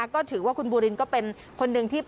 ก็ถือว่าคุณบูรินก็เป็นคนหนึ่งที่